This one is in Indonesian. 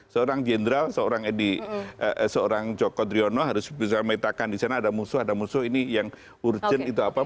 seorang jenderal seorang joko driono harus bisa memintakan disana ada musuh ada musuh ini yang urgent itu apa